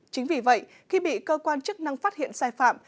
chính vì vậy khi bị cơ quan chức năng phát hiện sai phạm